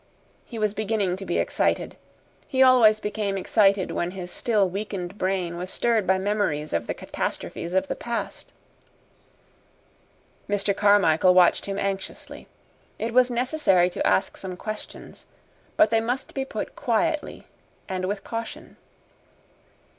He was beginning to be excited. He always became excited when his still weakened brain was stirred by memories of the catastrophes of the past. Mr. Carmichael watched him anxiously. It was necessary to ask some questions, but they must be put quietly and with caution.